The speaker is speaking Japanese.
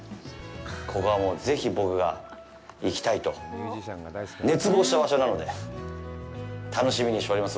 ここは、もうぜひ僕が行きたいと熱望した場所なので、楽しみにしております。